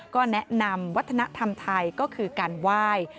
ก็แนะนำวัฒนธรรมไทยก็คือการไหว้